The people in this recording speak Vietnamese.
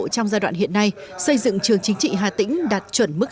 trong giai đoạn hiện nay xây dựng trường chính trị hà tĩnh đạt chuẩn mức